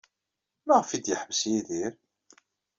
Maɣef ay d-yeḥbes Yidir?